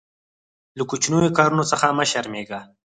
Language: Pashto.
له کوچنیو کارونو څخه مه شرمېږه.